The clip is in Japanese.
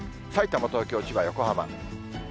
さいたま、東京、千葉、横浜。